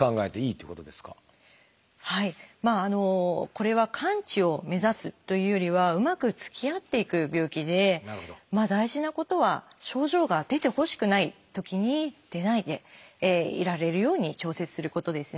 まあこれは完治を目指すというよりはうまくつきあっていく病気で大事なことは症状が出てほしくないときに出ないでいられるように調節することですね。